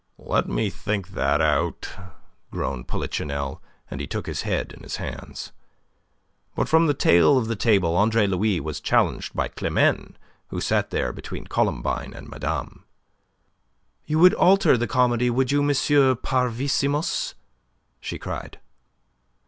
'" "Let me think it out," groaned Polichinelle, and he took his head in his hands. But from the tail of the table Andre Louis was challenged by Climene who sat there between Columbine and Madame. "You would alter the comedy, would you, M. Parvissimus?" she cried.